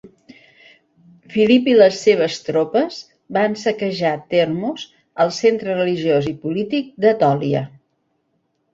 Filip i les seves tropes van saquejar Termos, el centre religiós i polític d'Etòlia.